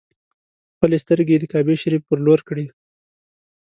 خپلې سترګې یې د کعبې شریفې پر لور کړې.